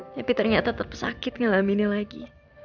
tapi ternyata tetap sakit ngalaminnya lagi